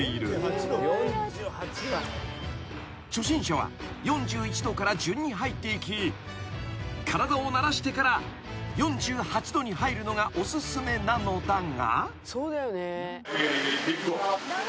［初心者は４１℃から順に入っていき体を慣らしてから４８℃に入るのがお勧めなのだが］